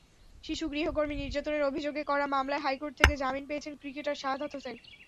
শিশু গৃহকর্মী নির্যাতনের অভিযোগে করা মামলায় হাইকোর্ট থেকে জামিন পেয়েছেন ক্রিকেটার শাহাদাত হোসেন।